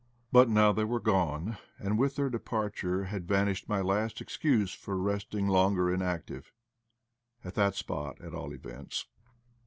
But now they were gone, and with their departure had van ished my last excuse for resting longer inactive — at that spot, at all events.